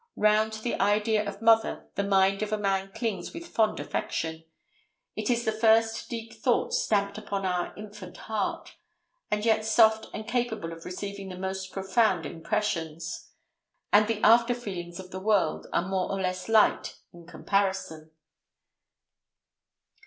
Round the idea of mother the mind of a man clings with fond affection. It is the first deep thought stamped upon our infant heart, when yet soft and capable of receiving the most profound impressions; and the after feelings of the world are more or less light in comparison.